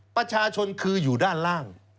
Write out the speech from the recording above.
ประชาชนคืออยู่ด้านล่าง